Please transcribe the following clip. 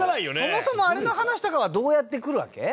そもそもあれの話とかはどうやってくるわけ？